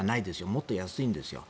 もっと安いんですよ。